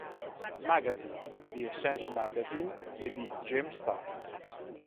Magazine", di "Essence Magazine" e di "Jam Style".